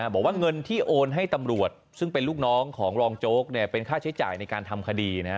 บอกว่าเงินที่โอนให้ตำรวจซึ่งเป็นลูกน้องของรองโจ๊กเป็นค่าใช้จ่ายในการทำคดี